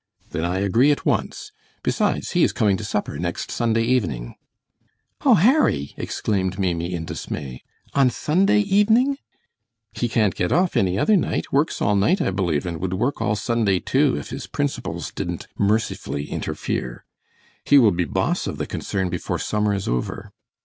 "Then I agree at once. Besides, he is coming to supper next Sunday evening!" "Oh, Harry," exclaimed Maimie, in dismay, "on Sunday evening?" "He can't get off any other night; works all night, I believe, and would work all Sunday, too, if his principles didn't mercifully interfere. He will be boss of the concern before summer is over."